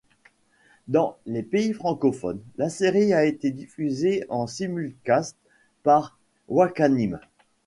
Dans les pays francophones, la série a été diffusée en simulcast par Wakanim.